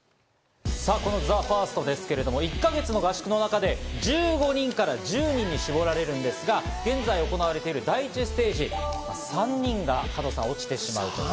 ＴＨＥＦＩＲＳＴですけれども、１か月の合宿の中で１５人から１０人に絞られるんですが、現在行われている第１ステージ、３人が落ちてしまう。